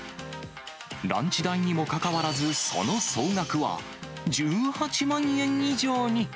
ランチ代にもかかわらずその総額は１８万円以上に。